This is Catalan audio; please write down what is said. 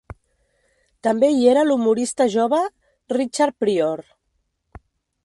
També hi era l'humorista jove Richard Pryor.